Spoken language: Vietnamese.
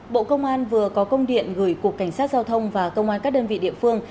bộ công an vừa có công điện gửi cục cảnh sát giao thông và công an các đơn vị địa phương